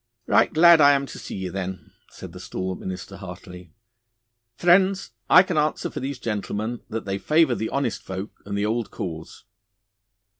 'Right glad I am to see ye, then,' said the stalwart minister heartily. 'Friends, I can answer for these gentlemen that they favour the honest folk and the old cause.